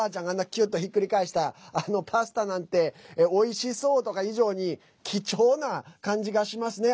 キュッとひっくり返したパスタなんておいしそうとか以上に貴重な感じがしますね。